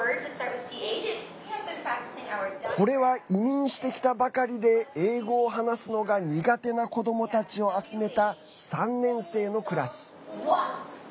これは移民してきたばかりで英語を話すのが苦手な子どもたちを集めた３年生のクラス。